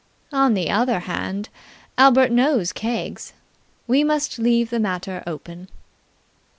On the other hand, Albert knows Keggs. We must leave the matter open.